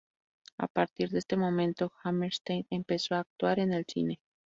A partir de este momento Hammerstein empezó a actuar en el cine.